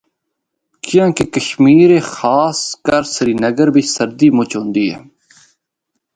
کیانکہ کشمیر خاص کر سرینگر بچ سردی مُچ ہوندی اے۔